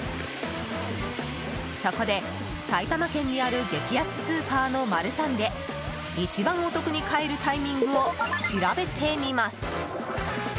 そこで、埼玉県にある激安スーパーのマルサンで一番お得に買えるタイミングを調べてみます。